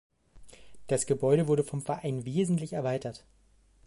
Das Gebäude wurde vom Verein wesentlich erweitert.